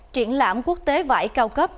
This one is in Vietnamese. triển lãm quốc tế vải cao cấp